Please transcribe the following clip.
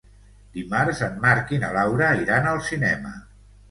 Dimarts en Marc i na Laura iran al cinema.